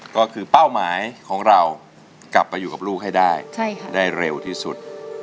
ก็คือเป้าหมายของเรากลับไปอยู่กับลูกให้ได้ได้เร็วที่สุด